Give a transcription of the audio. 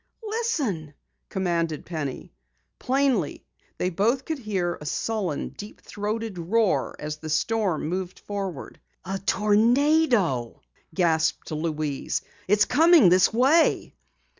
"Listen!" commanded Penny. Plainly they both could hear a sullen, deep throated roar as the storm moved forward. "A tornado!" gasped Louise. "It's coming this way!"